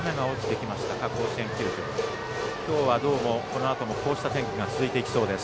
きょうは、このあともこうした天気が続いていきそうです。